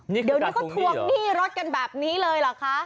นี่คือการทวงหนี้เหรอเดี๋ยวนี้ก็ทวงหนี้รถกันแบบนี้เลยเหรอคะ